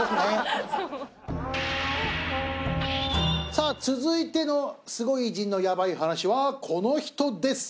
さあ続いてのスゴい偉人のヤバい話はこの人です。